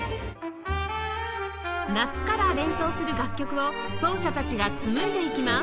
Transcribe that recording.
夏から連想する楽曲を奏者たちが紡いでいきます